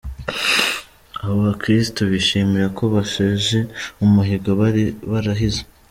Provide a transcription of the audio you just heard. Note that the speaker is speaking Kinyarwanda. Abo bakristu bishimira ko besheje umuhigo bari barahize.